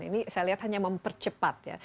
ini saya lihat hanya mempercepat ya